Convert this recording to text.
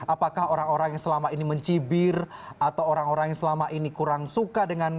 apakah orang orang yang selama ini mencibir atau orang orang yang selama ini kurang suka dengan